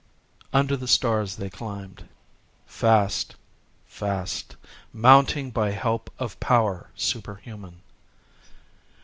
Under the stars they climbed,—fast, fast,—mounting by help of power superhuman.